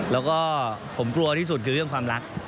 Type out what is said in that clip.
แล้วก็ผมกลัวที่สุดคือเรื่องความรัก